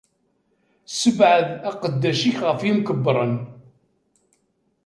Ssebɛed aqeddac-ik ɣef yimkebbren.